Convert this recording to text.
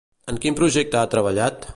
En quin projecte ha treballat?